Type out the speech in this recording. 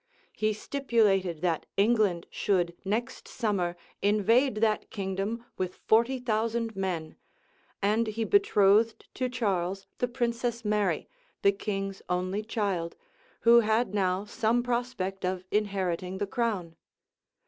He stipulated that England should next summer invade that kingdom with forty thousand men; and he betrothed to Charles the princess Mary, the king's only child, who had now some prospect of inheriting the crown.